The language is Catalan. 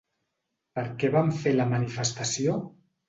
Per què vam fer la manifestació?